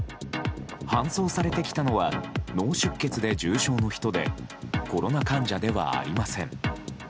搬送されてきたのは脳出血で重症の人でコロナ患者ではありません。